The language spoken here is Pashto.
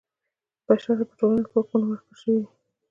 بشر ته په ټولنه کې حقونه ورکړل شوي دي.